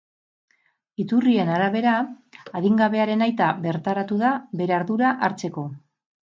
Iturrien arabera, adingabearen aita bertaratu da, bere ardura hartzeko.